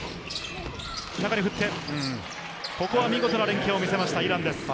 中に振って、ここは見事な連係を見せました、イランです。